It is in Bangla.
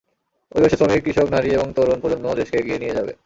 অভিবাসী শ্রমিক, কৃষক, নারী এবং তরুণ প্রজন্ম দেশকে এগিয়ে নিয়ে যাবে।